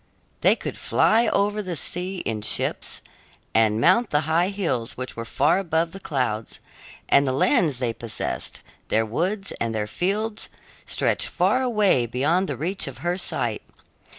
They could fly over the sea in ships and mount the high hills which were far above the clouds; and the lands they possessed, their woods and their fields, stretched far away beyond the reach of her sight.